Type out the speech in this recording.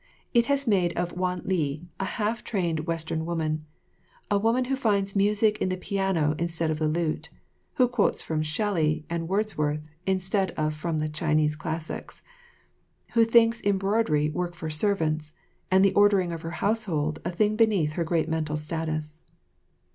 It has made or Wan li a half trained Western woman, a woman who finds music in the piano instead of the lute, who quotes from Shelley, and Wordsworth, instead of from the Chinese classics, who thinks embroidery work for servants, and the ordering of her household a thing beneath her great mental status.